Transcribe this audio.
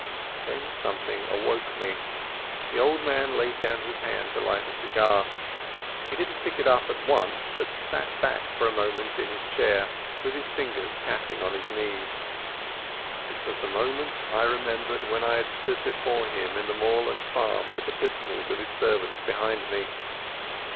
Then something awoke me. The old man laid down his hand to light a cigar. He didn't pick it up at once, but sat back for a moment in his chair, with his fingers tapping on his knees. It was the movement I remembered when I had stood before him in the moorland farm, with the pistols of his servants behind me.